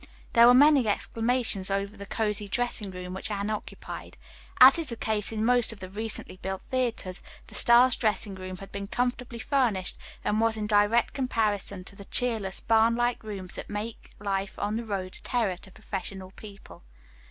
There were many exclamations over the cosy dressing room which Anne occupied. As is the case in most of the recently built theatres, the star's dressing room had been comfortably furnished and was in direct comparison to the cheerless, barn like rooms that make life on the road a terror to professional people.